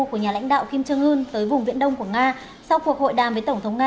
của nhà lãnh đạo kim trương ưn tới vùng viện đông của nga sau cuộc hội đàm với tổng thống nga